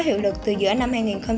hiệu lực từ giữa năm hai nghìn hai mươi